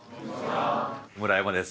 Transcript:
村山です。